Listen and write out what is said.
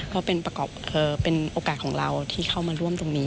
ก็เป็นโอกาสของเราที่เข้ามาร่วมตรงนี้